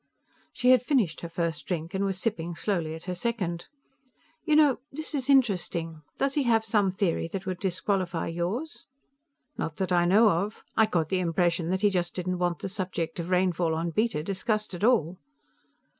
She had finished her first drink and was sipping slowly at her second. "You know, this is interesting. Does he have some theory that would disqualify yours?" "Not that I know of. I got the impression that he just didn't want the subject of rainfall on Beta discussed at all."